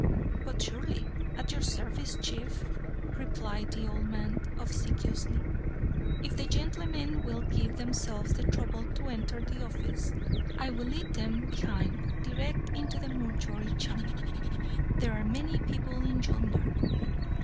"But surely, at your service, Chief," replied the old man, obsequiously. "If the gentlemen will give themselves the trouble to enter the office, I will lead them behind, direct into the mortuary chamber. There are many people in yonder."